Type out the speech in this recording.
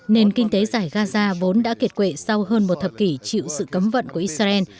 nền kinh tế giải gaza vốn đã kiệt quệ sau hơn một thập kỷ chịu sự cấm vận của israel